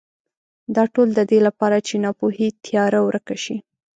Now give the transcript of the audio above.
دا ټول د دې لپاره چې ناپوهۍ تیاره ورکه شي.